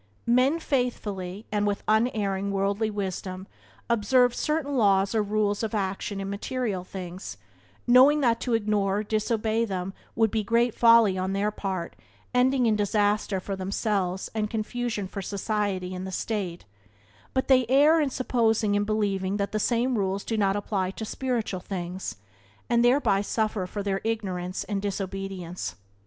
Men faithfully, and with unerring worldly wisdom, observe certain laws or rules of action in material things, knowing that to ignore or disobey them would be great folly on their part, ending in disaster for themselves and confusion for society and the state, but they err in supposing and believing that the same rules do not apply in spiritual things, and thereby suffer for their ignorance and disobedience.